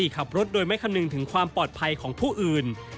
ขับรถโดยไม่คำนึงถึงความปลอดภัยของผู้อื่น